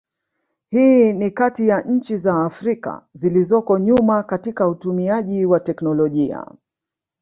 Hii ni kati ya nchi za Afrika zilizoko nyuma katika utumiaji wa teknolojia